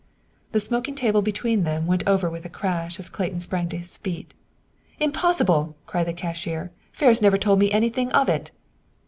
The smoking table between them went over with a crash as Clayton sprang to his feet. "Impossible!" cried the cashier. "Ferris never told me anything of it."